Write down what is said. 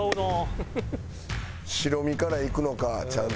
白身からいくのかちゃんと。